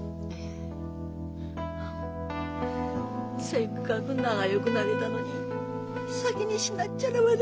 せっかく仲よくなれたのに先に死なっちゃら私。